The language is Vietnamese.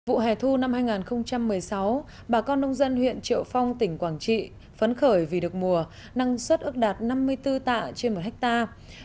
vụ hè thu năm hai nghìn một mươi sáu bà con nông dân huyện triệu phong tỉnh quảng trị phấn khởi vì được mùa năng suất ước đạt năm mươi bốn tạ trên một hectare